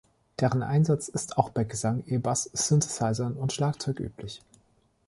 Deren Einsatz ist auch bei Gesang, E-Bass, Synthesizern oder Schlagzeug üblich.